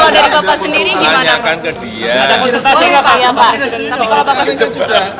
tanyakan ke dia